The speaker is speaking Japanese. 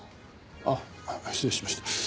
あっ失礼しました。